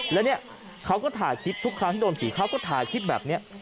แล้วเนี่ยเขาก็ถ่ายคลิปทุกครั้งที่โดนผีเขาก็ถ่ายคลิปแบบนี้